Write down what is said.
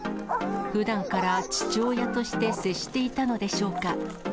ふだんから父親として接していたのでしょうか。